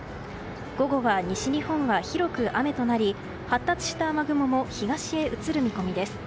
午後は西日本は広く雨となり発達した雨雲も東へ移る見込みです。